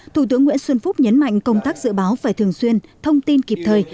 thủ tướng nguyễn xuân phúc nhấn mạnh công tác dự báo phải thường xuyên thông tin kịp thời